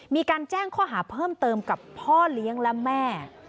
มีการแจ้งข้อหาเพิ่มเติมกับพ่อเลี้ยงและแม่